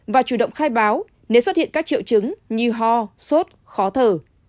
và chủ động khai báo nếu xuất hiện các triệu chứng như ho sốt khó thở